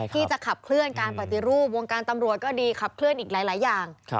ที่จะขับเคลื่อนการปฏิรูปวงการตำรวจก็ดีขับเคลื่อนอีกหลายอย่าง